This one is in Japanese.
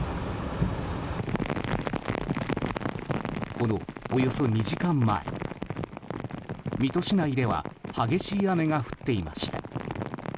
このおよそ２時間前水戸市内では激しい雨が降っていました。